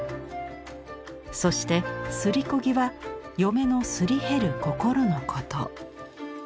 そして「すりこ木」は嫁の「すり減る心」のこと。